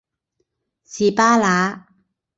士巴拿